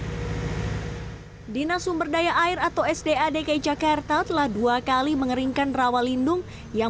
hai dinasumberdaya air atau sda dki jakarta telah dua kali mengeringkan rawa lindung yang